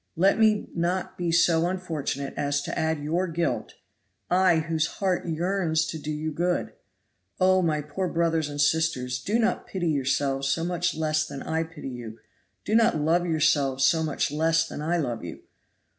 Let me not be so unfortunate as to add to your guilt I, whose heart yearns to do you good! Oh, my poor brothers and sisters, do not pity yourselves so much less than I pity you do not love yourselves so much less than I love you!